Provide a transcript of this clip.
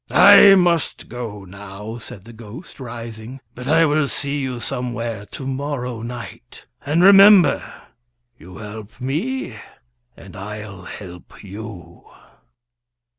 "I must go now," said the ghost, rising: "but I will see you somewhere to morrow night. And remember you help me, and I'll help you."